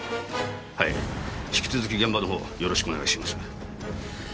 はい引き続き現場のほうよろしくお願いします。